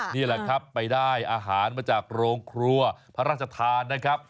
นี่แหละครับไปได้อาหารมาจากโรงครัวพระราชทานนะครับ